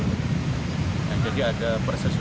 jadi ada persesuaian keterangan dari beberapa korban